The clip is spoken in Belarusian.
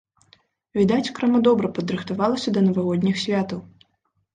Відаць, крама добра падрыхтавалася да навагодніх святаў.